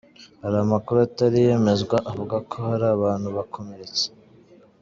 Hari amakuru atari yemezwa avuga ko hari abantu bakomeretse.